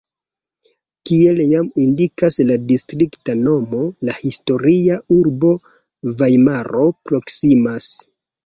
Kiel jam indikas la distrikta nomo, la historia urbo Vajmaro proksimas.